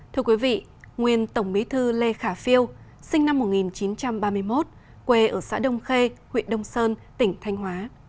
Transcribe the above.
thưa quý vị nguyên tổng bí thư lê khả phiêu sinh năm một nghìn chín trăm ba mươi một quê ở xã đông khê huyện đông sơn tỉnh thanh hóa